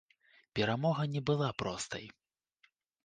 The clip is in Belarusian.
Перамога не была простай.